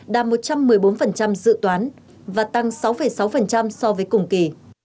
đạt một trăm một mươi bốn dự toán và tăng sáu sáu so với cùng kỳ